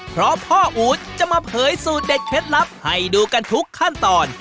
เพราะพ่ออู๋ดจะมาเผยสูตรเด็ดเคล็ดลับให้ดูกันทุกขั้นตอน